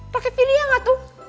pake feeling ya gak tuh